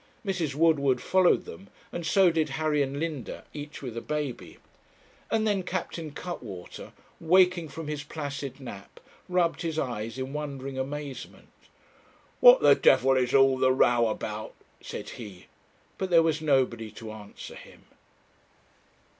Mrs. Woodward followed them, and so did Harry and Linda, each with a baby. And then Captain Cuttwater, waking from his placid nap, rubbed his eyes in wondering amazement. 'What the devil is all the row about?' said he. But there was nobody to answer him.